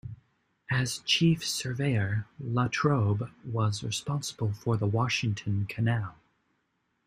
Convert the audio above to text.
As chief surveyor, Latrobe was responsible for the Washington Canal.